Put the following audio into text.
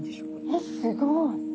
えっすごい。